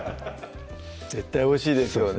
絶対おいしいですよね